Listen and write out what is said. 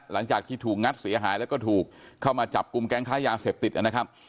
หลังจากที่ถูกงัดเสียหายแล้วก็ถูกเข้ามาจับกลุ่มแก๊งค้ายาเสพติดนะครับ